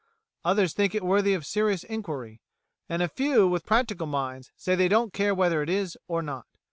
_; others think it worthy of serious inquiry, and a few with practical minds say they don't care whether it is or not.